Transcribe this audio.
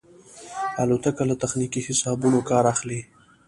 الوتکه له تخنیکي حسابونو کار اخلي.